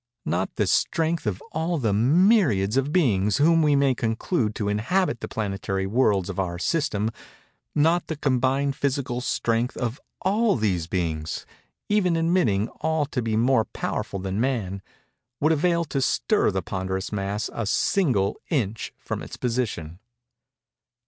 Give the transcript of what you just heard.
Not the strength of all the myriads of beings whom we may conclude to inhabit the planetary worlds of our system—not the combined physical strength of all these beings—even admitting all to be more powerful than man—would avail to stir the ponderous mass a single inch from its position.